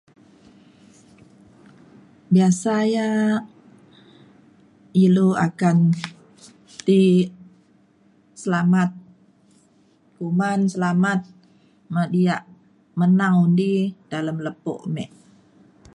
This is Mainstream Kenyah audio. biasa ya ilu akan ti selamat uman selamat ngan yak menang undi dalem lepo me